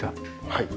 はい。